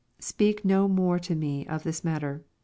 " Speak no more to me of this matter."